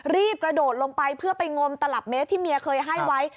รีบกระโดดลงไปเพื่อไปงมตลับเมตรที่เมียเคยให้ไว้